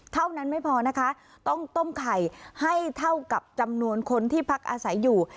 เท่านั้นไม่พอนะคะต้องต้มไข่ให้เท่ากับจำนวนคนที่พักอาศัยอยู่